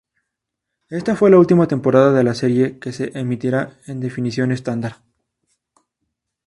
Esta fue la última temporada de la serie que se emitirá en definición estándar.